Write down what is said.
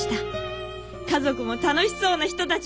家族も楽しそうな人たちばかり。